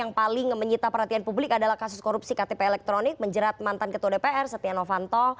yang paling menyita perhatian publik adalah kasus korupsi ktp elektronik menjerat mantan ketua dpr setia novanto